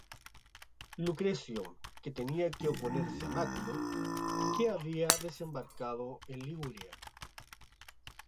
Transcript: Lucrecio, que tenía que oponerse a Magón, que había desembarcado en Liguria.